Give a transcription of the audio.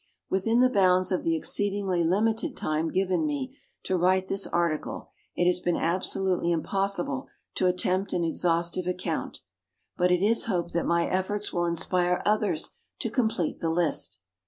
Within the bounds of the exceed ingly limited time given me to write this article, it has been absolutely im possible to attempt an exhaustive ac count. But it is hoped that my efforts will inspire others to complete the list.